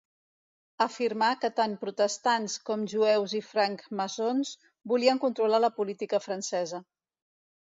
Afirmà que tant protestants, com jueus i francmaçons volien controlar la política francesa.